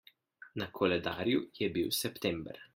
Na koledarju je bil september.